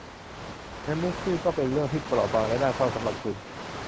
งั้นมิสซี่ก็เป็นเรื่องที่เปราะบางและน่าเศร้าสำหรับคุณ